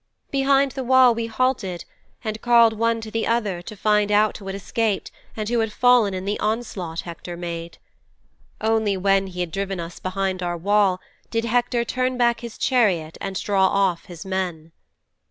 Behind that wall we halted and called one to the other to find out who had escaped and who had fallen in the onslaught Hector made. Only when he had driven us behind our wall did Hector turn back his chariot and draw off his men."'